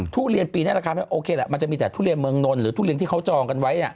ทุเรียนปีนี้ราคาไม่โอเคแหละมันจะมีแต่ทุเรียนเมืองนนหรือทุเรียนที่เขาจองกันไว้